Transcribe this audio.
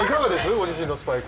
ご自身のスパイク。